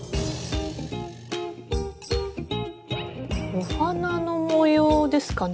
お花の模様ですかね？